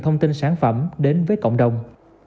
thông tin sản phẩm đến với cộng đồng